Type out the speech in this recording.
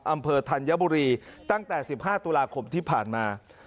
ธัญบุรีตั้งแต่๑๕ตุลาคมที่ผ่านมา